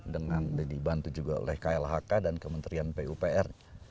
dengan dibantu juga oleh klhk dan kementerian pupr